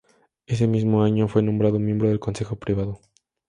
Ese mismo año fue nombrado miembro del Consejo Privado.